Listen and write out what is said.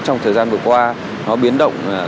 trong thời gian vừa qua nó biến động